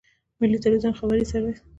د ملي ټلویزیون خبري سرویس.